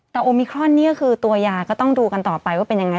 แต่โอมิครอนนี่ก็คือตัวยาก็ต้องดูกันต่อไปว่าเป็นยังไง